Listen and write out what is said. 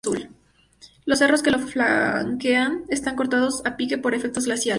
Los cerros que lo flanquean están cortados a pique por efectos glaciales.